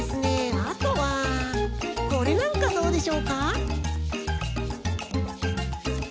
あとはこれなんかどうでしょうか？